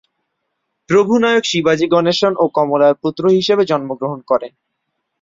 প্রভু নায়ক শিবাজি গণেশন ও কমলার পুত্র হিসেবে জন্মগ্রহণ করেন।